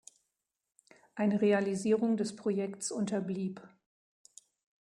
Eine Realisierung des Projekts unterblieb.